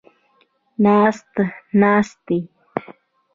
ناسته ، ناستې